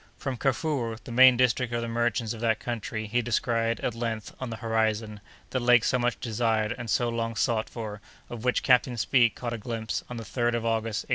From Kafuro, the main district of the merchants of that country, he descried, at length, on the horizon, the lake so much desired and so long sought for, of which Captain Speke caught a glimpse on the 3d of August, 1858.